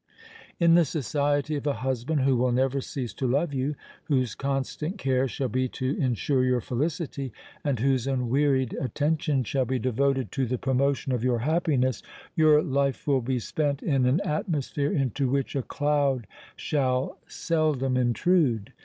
In the society of a husband who will never cease to love you—whose constant care shall be to ensure your felicity—and whose unwearied attention shall be devoted to the promotion of your happiness, your life will be spent in an atmosphere into which a cloud shall seldom intrude.